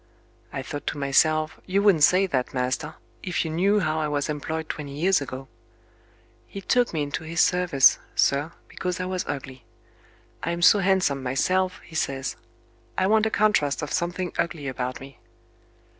I thought to myself, you wouldn't say that, master, if you knew how I was employed twenty years ago. He took me into his service, sir, because I was ugly. 'I'm so handsome myself;' he says, 'I want a contrast of something ugly about me.'